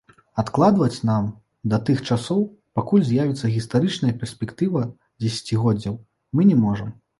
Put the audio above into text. Адкладваць нам да тых часоў, пакуль з'явіцца гістарычная перспектыва дзесяцігоддзяў, мы не можам.